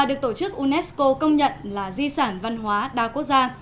được tổ chức unesco công nhận là di sản văn hóa đa quốc gia